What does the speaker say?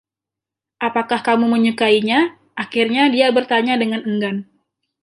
"Apakah kamu menyukainya?" akhirnya dia bertanya dengan enggan.